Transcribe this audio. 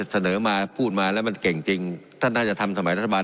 เสนอมาพูดมาแล้วมันเก่งจริงท่านน่าจะทำสมัยรัฐบาล